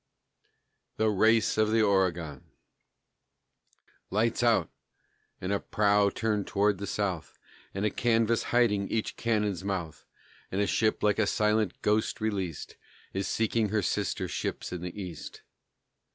THE RACE OF THE OREGON Lights out! And a prow turned towards the South, And a canvas hiding each cannon's mouth, And a ship like a silent ghost released Is seeking her sister ships in the East.